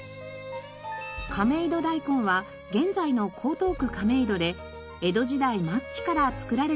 亀戸ダイコンは現在の江東区亀戸で江戸時代末期から作られてきました。